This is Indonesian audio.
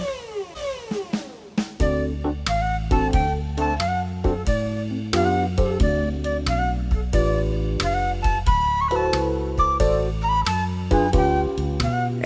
pria kecil itu mencari cincinnya